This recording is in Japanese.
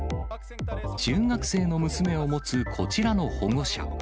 中学生の娘を持つこちらの保護者。